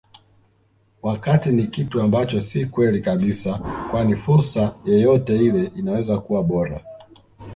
wakati ni kitu ambacho si kweli kabisa kwani fursa yeyote ile inaweza kuwa bora